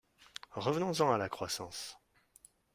Revenons-en à la croissance.